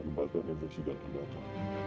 kembalikan infeksi dan penjajah